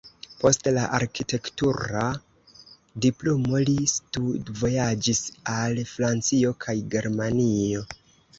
Post la arkitektura diplomo li studvojaĝis al Francio kaj Germanio.